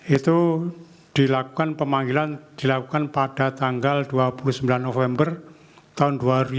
itu dilakukan pemanggilan dilakukan pada tanggal dua puluh sembilan november tahun dua ribu dua puluh